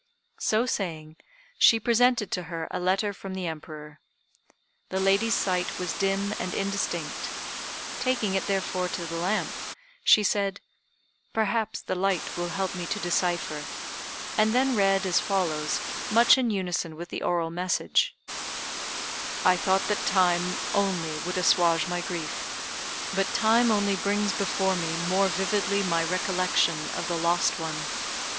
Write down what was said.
So saying, she presented to her a letter from the Emperor. The lady's sight was dim and indistinct. Taking it, therefore, to the lamp, she said, "Perhaps the light will help me to decipher," and then read as follows, much in unison with the oral message: "I thought that time only would assuage my grief; but time only brings before me more vividly my recollection of the lost one.